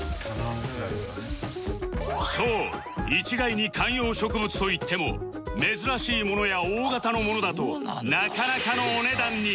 そう一概に観葉植物といっても珍しいものや大型のものだとなかなかのお値段に